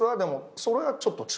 それはちょっと違う？